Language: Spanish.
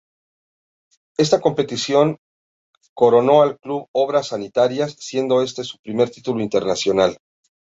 Esta competición coronó al Club Obras Sanitarias, siendo este su primer título internacional.